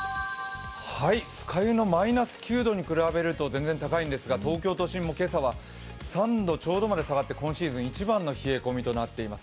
酸ヶ湯のマイナス９度に比べると全然高いんですが東京都心も今朝は３度ちょうどまで下がって今シーズン一番の冷え込みとなっています。